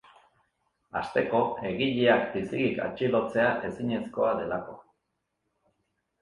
Hasteko, egileak bizirik atxilotzea ezinezkoa delako.